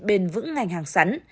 bền vững ngành hàng sắn